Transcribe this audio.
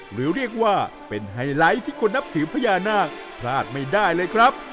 หรือเรียกว่าเป็นไฮไลท์ที่คนนับถือพญานาคพลาดไม่ได้เลยครับ